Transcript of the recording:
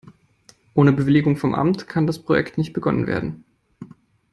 Ohne Bewilligung vom Amt kann das Projekt nicht begonnen werden.